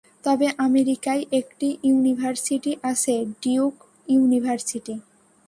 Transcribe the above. তবে আমেরিকায় একটি ইউনিভার্সিটি আছে-ডিউক ইউনিভার্সিটি।